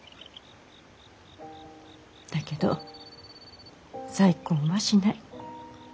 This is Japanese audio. だけど再婚はしない。